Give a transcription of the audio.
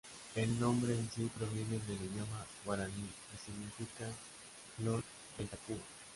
El nombre en sí proviene del idioma Guaraní y significa ""Flor de Itapúa"".